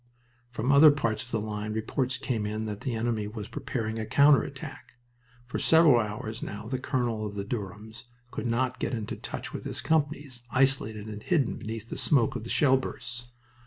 From other parts of the line reports came in that the enemy was preparing a counter attack. For several hours now the colonel of the Durhams could not get into touch with his companies, isolated and hidden beneath the smoke of the shell bursts.